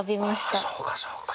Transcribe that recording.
ああそうかそうか。